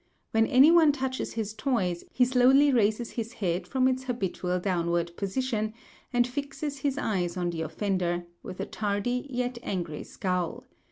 When any one touches his toys, he slowly raises his head from its habitual downward position, and fixes his eyes on the offender, with a tardy yet angry scowl.